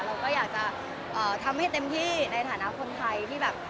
เราก็อยากจะทำให้เต็มที่ในฐานะคนไทยที่แบบ